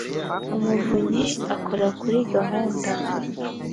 umuvunyi akora kuri gahunda.